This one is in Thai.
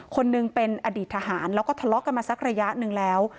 คนหนึ่งเป็นอดีตทหารแล้วก็ทะเลาะกันมาสักระยะหนึ่งแล้ว